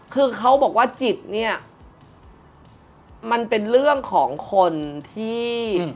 คือเขาบอกว่าจิตเนี่ยมันเป็นเรื่องของคนที่